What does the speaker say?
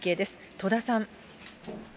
戸田さん。